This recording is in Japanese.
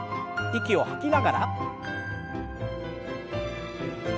息を吐きながら。